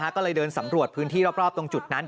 ก็เลยเดินสำรวจพื้นที่รอบตรงจุดนั้น